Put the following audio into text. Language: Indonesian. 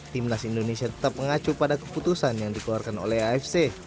timnas indonesia tetap mengacu pada keputusan yang dikeluarkan oleh afc